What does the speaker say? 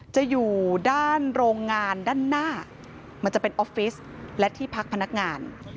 จะอยู่ด้านโรงงานด้านหน้ามันจะเป็นออฟฟิศและที่พักพนักงาน